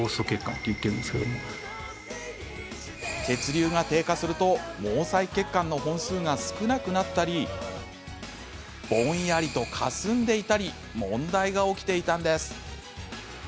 血流が低下すると毛細血管の本数が少なくなったりぼんやりとかすんでいたり問題が起きていたんです。